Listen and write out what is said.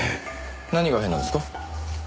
何が変なんですか？